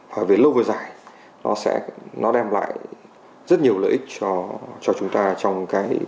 và về lâu vừa dài nó sẽ nó đem lại rất nhiều lợi ích cho chúng ta trong cái